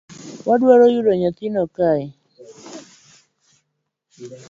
Wadwaro yudo nyathino kae